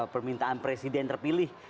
permintaan presiden terpilih